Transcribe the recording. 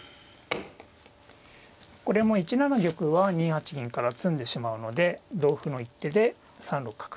これも１七玉は２八銀から詰んでしまうので同歩の一手で３六角。